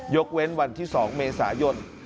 เว้นวันที่๒เมษายน